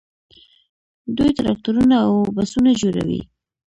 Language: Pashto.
دوی ټراکټورونه او بسونه جوړوي.